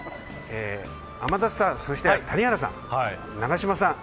天達さん、そして谷原さん永島さん